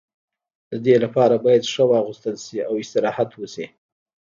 د دې لپاره باید ښه واغوستل شي او استراحت وشي.